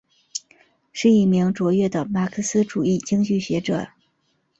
是一名卓越的马克思主义经济学者。